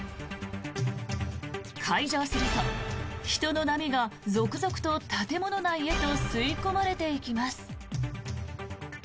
開場すると人の波が続々と建物内へと吸い込まれていきます。